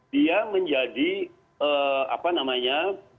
dia menjadi apa namanya